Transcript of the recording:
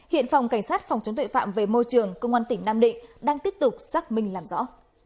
hiện phòng cảnh sát phòng chống tuệ phạm về môi trường công an tỉnh nam định đang tiếp tục xác minh làm rõ